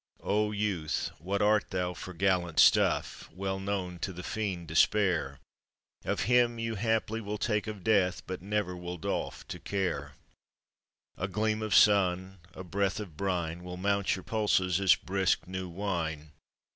O youth, what art thou for gallant stuff? Well known to the fiend Despair, Of him you haply will take of Death But never will doff to Care; A gleam of sun, a breath of brine, Will mount your pulses as brisk new wine.